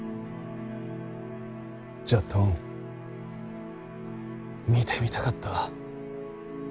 じゃっどん見てみたかった。